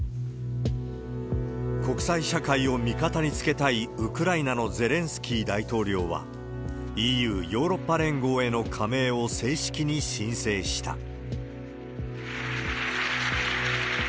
国際社会を味方につけたいウクライナのゼレンスキー大統領は、ＥＵ・ヨーロッパ連合への加盟を正式に申請した。